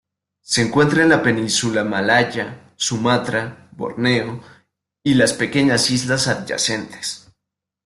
Se encuentra en la península malaya, Sumatra, Borneo y las pequeñas islas adyacentes.